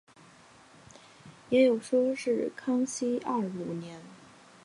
也有说是康熙廿五年。